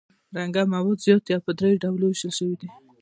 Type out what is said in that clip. رنګه مواد زیات دي او په دریو ډولو ویشل شوي دي.